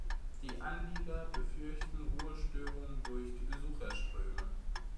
Die Anlieger befürchten Ruhestörung durch die Besucherströme.